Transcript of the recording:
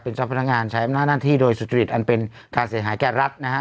เจ้าพนักงานใช้อำนาจหน้าที่โดยสุจริตอันเป็นการเสียหายแก่รัฐนะฮะ